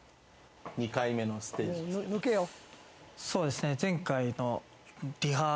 そうですね。